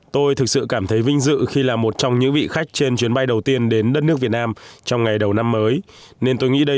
tôi thực sự cảm thấy vinh dự khi là một trong những vị khách trên chuyến bay đầu tiên đến đất nước việt nam trong ngày đầu năm mới